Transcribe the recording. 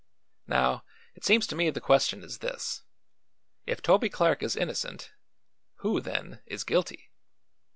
Now, it seems to me the question is this: If Toby Clark is innocent, who, then, is guilty?